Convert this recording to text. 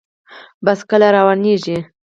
بس کله روانیږي؟